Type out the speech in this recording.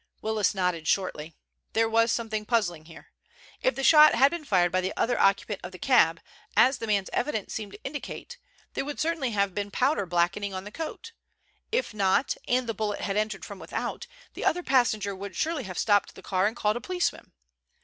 Willis nodded shortly. There was something puzzling here. If the shot had been fired by the other occupant of the cab, as the man's evidence seemed to indicate, there would certainly have been powder blackening on the coat. If not, and if the bullet had entered from without, the other passenger would surely have stopped the car and called a policeman.